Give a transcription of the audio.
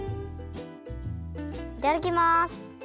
いただきます！